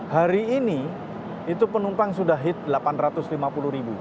hari ini itu penumpang sudah hit delapan ratus lima puluh ribu